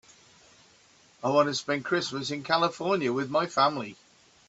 I want to spend Christmas in California with my family.